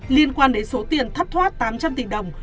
liên quan đến số tiền thất thoát tám trăm linh tỷ đồng